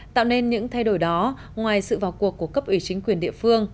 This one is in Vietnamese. tạo nên những thay đổi đó ngoài sự vào cuộc của cấp ủy chính quyền địa phương